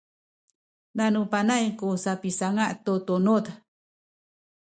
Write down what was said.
nanu panay ku sapisanga’ tu tunuz